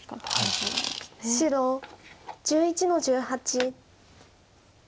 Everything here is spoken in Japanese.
白１１の十八。